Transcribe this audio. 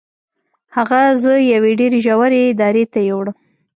هغه زه یوې ډیرې ژورې درې ته یووړم.